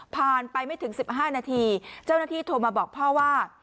ไปไม่ถึง๑๕นาทีเจ้าหน้าที่โทรมาบอกพ่อว่า